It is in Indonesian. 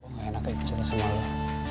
gue gak enak kayak cerita sama lo